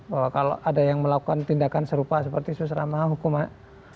bahwa kalau ada yang melakukan tindakan serupa seperti susrama hukuman